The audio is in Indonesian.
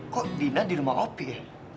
kok dina di rumah opi ya